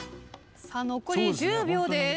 残り１０秒です。